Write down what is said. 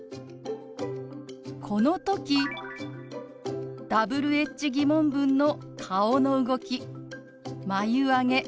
この時Ｗｈ−疑問文の顔の動き眉あげ